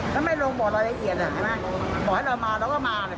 ถ้าไม่ลงบ่อรายละเอียดเนี่ยบอกให้เรามาเราก็มาเนี่ย